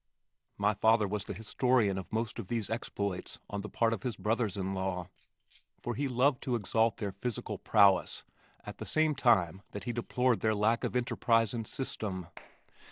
My father was the historian of most of these exploits on the part of his brothers in law, for he loved to exalt their physical prowess at the same time that he deplored their lack of enterprise and system.